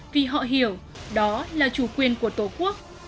vì họ hiểu đó là chủ quyền của tổ quốc